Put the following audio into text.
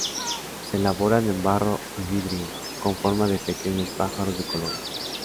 Se elaboran en barro o vidrio, con forma de pequeños pájaros de colores.